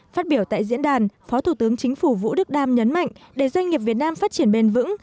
phát biểu tại diễn đàn phó thủ tướng chính phủ vũ đức đam nhấn mạnh để doanh nghiệp việt nam phát triển bền vững